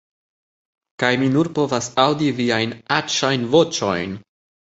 "Kaj mi nur povas aŭdi viajn aĉajn voĉojn!"